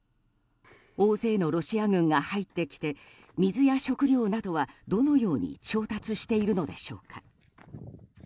大勢のロシア軍が入ってきて水や食料などはどのように調達しているのでしょうか。